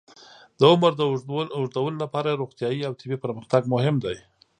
د عمر د اوږدولو لپاره روغتیايي او طبي پرمختګ مهم دی.